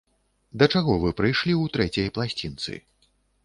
Да чаго вы прыйшлі ў трэцяй пласцінцы?